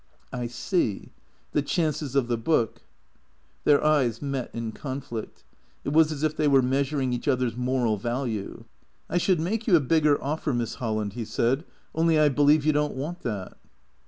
" I see. The chances of the book." Their eyes met in conflict. It was as if they were measuring each other's moral value. "I should make you a bigger ofi'er, Miss Holland," he said; "only I believe you don't want that."